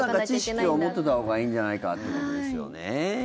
ちょっと知識を持っておいたほうがいいんじゃないかということですよね。